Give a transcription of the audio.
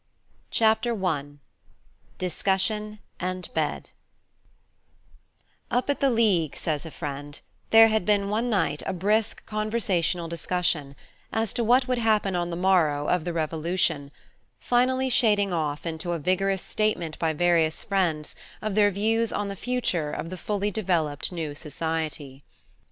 CHAPTER I: DISCUSSION AND BED Up at the League, says a friend, there had been one night a brisk conversational discussion, as to what would happen on the Morrow of the Revolution, finally shading off into a vigorous statement by various friends of their views on the future of the fully developed new society.